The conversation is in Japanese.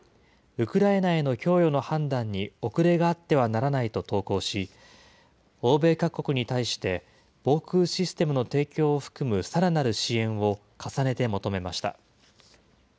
ウクライナへの供与の判断に遅れがあってはならないと投稿し、欧米各国に対して、防空システムの提供を含むさらなる支援を重ねて求めました。